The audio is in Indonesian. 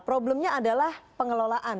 problemnya adalah pengelolaan